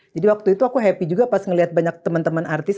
jadi waktu itu aku happy juga pas ngeliat banyak temen temen artis